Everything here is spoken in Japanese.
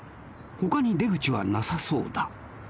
他に出口はなさそうだ